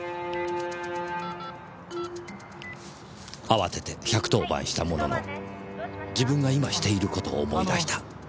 あわてて１１０番したものの自分が今している事を思い出した。